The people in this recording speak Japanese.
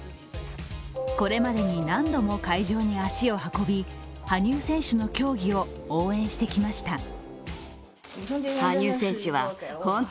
これまでに何度も会場に足を運び、羽生選手の競技を応援してきました。